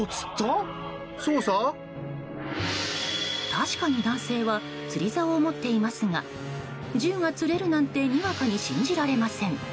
確かに男性は釣りざおを持っていますが銃が釣れるなんてにわかに信じられません。